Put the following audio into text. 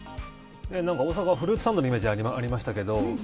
大阪は、フルーツサンドのイメージありましたけど。